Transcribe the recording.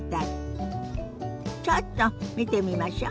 ちょっと見てみましょ。